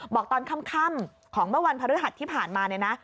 บอกตอนค่ำของเมื่อวันพฤหัสที่ผ่านมาเนี่ยนะ